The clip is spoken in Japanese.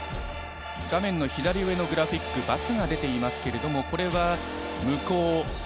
画面の左上のグラフィックバツが出ていますけれどもこれは無効。